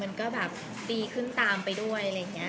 มันก็แบบสี่ขึ้นตามไปด้วย